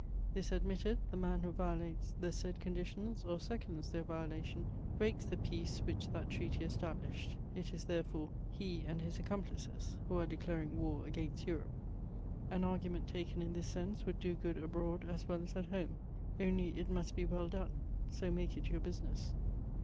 This admitted, the man who violates the said conditions or seconds their violation breaks the peace which that treaty established. It is, therefore, he and his accomplices who are declaring war against Europe. "An argument taken in this sense would do good abroad as well as at home; only it must be well done, so make it your business.